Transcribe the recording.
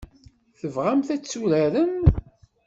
Tebɣam ad tt-turarem?